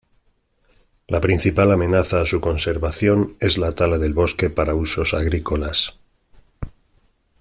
La principal amenaza a su conservación es la tala del bosque para usos agrícolas.